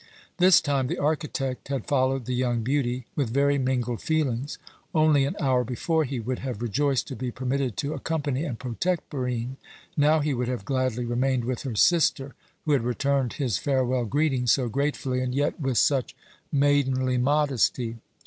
This time the architect had followed the young beauty with very mingled feelings. Only an hour before he would have rejoiced to be permitted to accompany and protect Barine; now he would have gladly remained with her sister, who had returned his farewell greeting so gratefully and yet with such maidenly modesty.